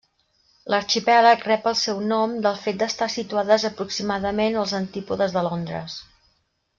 L'arxipèlag rep el seu nom del fet d'estar situades aproximadament als antípodes de Londres.